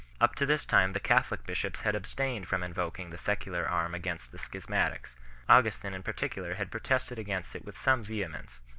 Up to this time the Catholic bishops had ab stained from invoking the secular arm against the schis matics; Augustin in particular had protested against it with some vehemence.